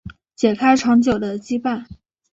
解开长久的羁绊